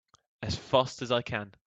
As fast as I can!